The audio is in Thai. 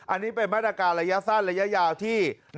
อันนี้เป็นมาตรการระยะสั้นระยะยาวที่